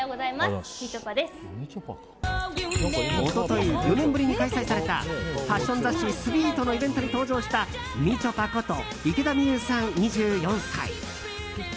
一昨日、４年ぶりに開催されたファッション雑誌「ｓｗｅｅｔ」のイベントに登場したみちょぱこと、池田美優さん２４歳。